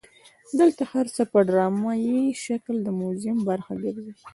دلته هر څه په ډرامایي شکل د موزیم برخه ګرځي.